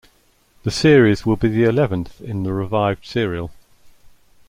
The series will be the eleventh in the revived serial.